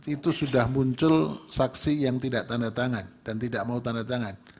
itu sudah muncul saksi yang tidak tanda tangan dan tidak mau tanda tangan